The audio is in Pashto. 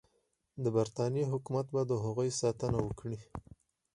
د برټانیې حکومت به د هغوی ساتنه وکړي.